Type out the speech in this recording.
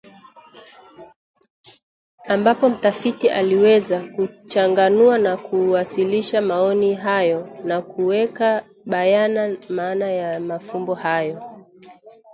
ambapo mtafiti aliweza kuchanganua na kuwasilisha maoni hayo na kuweka bayana maana ya mafumbo hayo